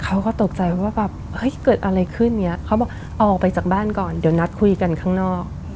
เขาก็ตกใจว่าแบบเฮ้ยเกิดอะไรขึ้นเนี่ยเขาบอกออกไปจากบ้านก่อนเดี๋ยวนัดคุยกันข้างนอก